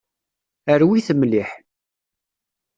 Rwi-t mliḥ.